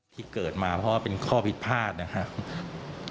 ที่เกิดมาเพราะว่าเป็นข้อผิดพลาดนะครับ